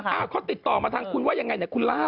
เขาติดต่อมาทางคุณว่ายังไงเนี่ยคุณล่า